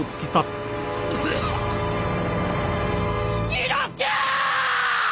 伊之助ー！！